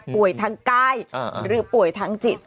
ป่วยทางกายหรือป่วยทางจิต